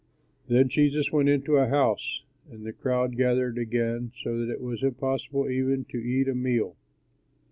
Then Jesus went into a house and the crowd gathered again so that it was impossible even to eat a meal.